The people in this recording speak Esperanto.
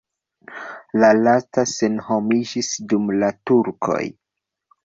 La lasta senhomiĝis dum la turkoj.